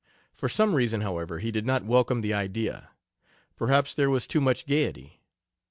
For some reason, however, he did not welcome the idea; perhaps there was too much gaiety.